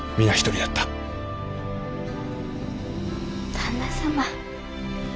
旦那様。